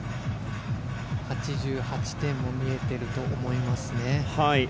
８８点も見えていると思いますね。